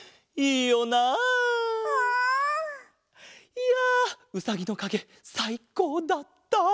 いやうさぎのかげさいこうだった。